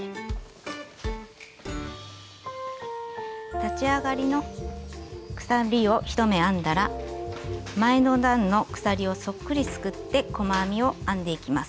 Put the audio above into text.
立ち上がりの鎖を１目編んだら前の段の鎖をそっくりすくって細編みを編んでいきます。